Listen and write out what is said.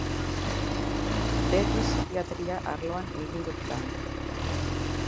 Beti psikiatria arloan egin du lan.